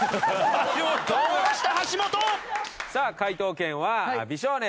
さあ解答権は美少年。